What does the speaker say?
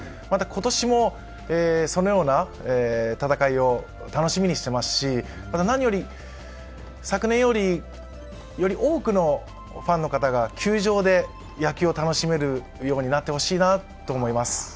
また、今年もそのような戦いを楽しみにしていますし、何より、昨年より、より多くのファンの方が球場で野球を楽しめるようになってほしいなと思います。